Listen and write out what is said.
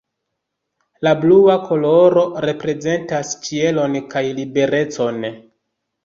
La blua koloro reprezentas ĉielon kaj liberecon.